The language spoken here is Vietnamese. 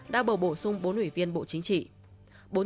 đã bầu bổ sung bốn ủy viên bộ chính trị